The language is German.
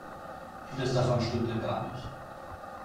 Vieles davon stimmte gar nicht.